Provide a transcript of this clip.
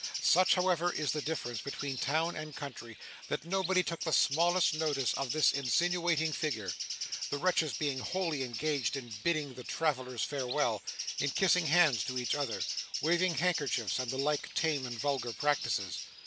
Such, however, is the difference between town and country, that nobody took the smallest notice of this insinuating figure; the wretches being wholly engaged in bidding the travellers farewell, in kissing hands to each other, waving handkerchiefs, and the like tame and vulgar practices.